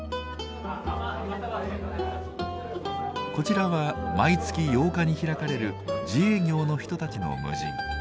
こちらは毎月８日に開かれる自営業の人たちの無尽。